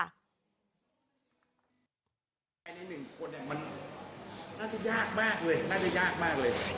อันนี้หนึ่งคนเนี่ยมันน่าจะยากมากเลยน่าจะยากมากเลย